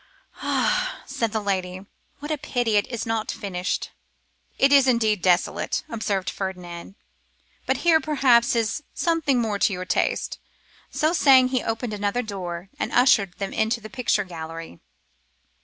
'Ah!' said the lady, 'what a pity it is not finished!' 'It is indeed desolate,' observed Ferdinand; 'but here perhaps is something more to your taste.' So saying, he opened another door and ushered them into the picture gallery.